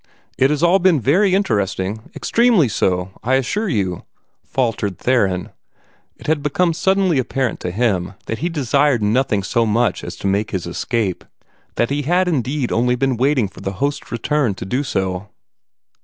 "It has all been very interesting, extremely so, I assure you," faltered Theron. It had become suddenly apparent to him that he desired nothing so much as to make his escape that he had indeed only been waiting for the host's return to do so.